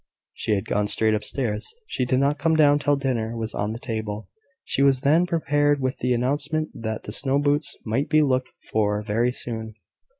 She had gone straight up stairs. She did not come down till dinner was on the table. She was then prepared with the announcement that the snow boots might be looked for very soon.